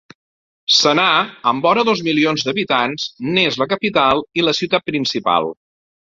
Sanà, amb vora dos milions d'habitants, n'és la capital i la ciutat principal.